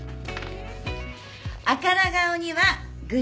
赤ら顔にはグリーン。